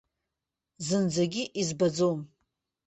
Зынӡагьы избаӡом.